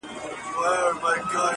یاره بس چي له مقامه را سوه سم,